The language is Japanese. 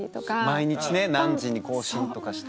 毎日ね何時に更新とかして。